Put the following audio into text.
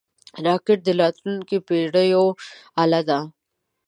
راکټ د راتلونکو پېړیو اله ده